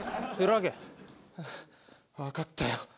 わかったよ。